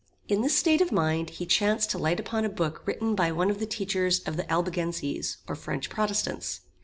In this state of mind he chanced to light upon a book written by one of the teachers of the Albigenses, or French Protestants.